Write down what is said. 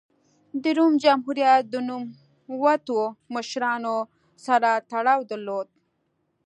د روم جمهوریت د نوموتو مشرانو سره تړاو درلود.